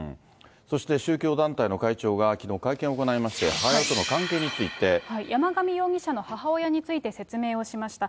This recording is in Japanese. そして宗教団体の会長がきのう会見を行いまして、山上容疑者の母親について説明をしました。